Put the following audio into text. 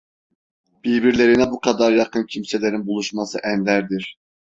Birbirlerine bu kadar yakın kimselerin buluşması enderdir.